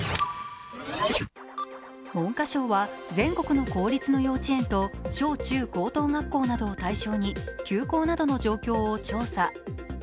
文科省は全国の公立の幼稚園と小中高等学校などを対象に休校などの状況を調査。